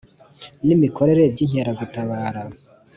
n imikorere by Inkeragutabara